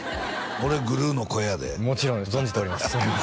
俺グルーの声やでもちろん存じております